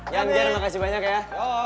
yang gen makasih banyak ya